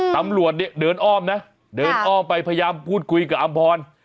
ตำรวจเนี่ยเดินอ้อมนะเดินอ้อมไปพยายามพูดคุยกับอำพร